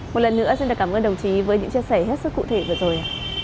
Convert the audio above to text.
một lần nữa xin cảm ơn đồng chí với những chia sẻ hết sức cụ thể vừa rồi